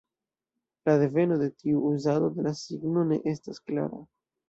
La deveno de tiu uzado de la signo ne estas klara.